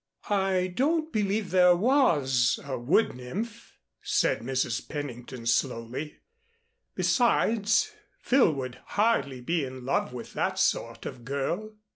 "I don't believe there was a wood nymph," said Mrs. Pennington slowly. "Besides, Phil would hardly be in love with that sort of girl."